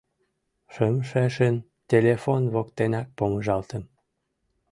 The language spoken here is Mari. Шымшешын телефон воктенак помыжалтым.